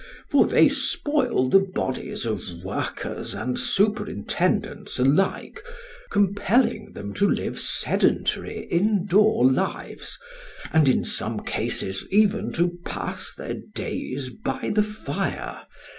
For they spoil the bodies of workers and superintendents alike, compelling them to live sedentary indoor lives, and in some cases even to pass their days by the fire.